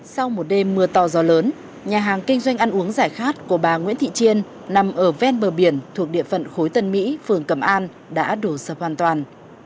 sau một đêm mưa to gió lớn nhà hàng kinh doanh ăn uống giải khát của bà nguyễn thị chiên nằm ở ven bờ biển thuộc địa phận khối tân mỹ phường cẩm an đã đổ sập hoàn toàn